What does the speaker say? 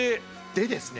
でですね